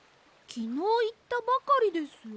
きのういったばかりですよ。